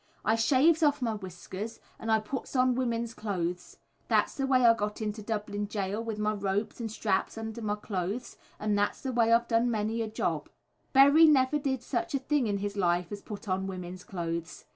"I shaves off my whiskers and I puts on women's clothes. That's th' way I got into Dublin Jail, with my ropes and straps under my clothes, and that's th' way I've done many a job." Berry never did such a thing in his life as put on women's clothes.